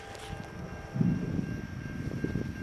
全程为西至东单行线。